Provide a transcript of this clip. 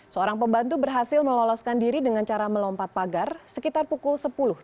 seorang pembantu berhasil meloloskan diri dengan cara melompat pagar sekitar pukul sepuluh